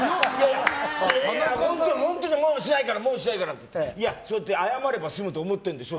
田中、本当にもうしないからって言うとそうやって謝れば済むと思ってるんでしょ。